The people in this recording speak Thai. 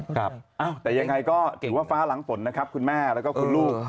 แต่ยังไงก็เก่งว่าฟ้าหลังฝนนะครับคุณแม่แล้วก็คุณลูก